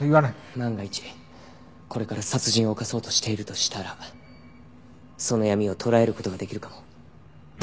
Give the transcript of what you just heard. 万が一これから殺人を犯そうとしているとしたらその闇を捉える事ができるかも。